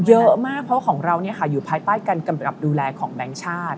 เยอะมากเพราะของเราอยู่ภายใต้การกำกับดูแลของแบงค์ชาติ